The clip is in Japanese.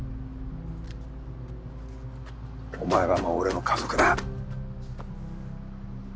お前はもう俺の家族だ。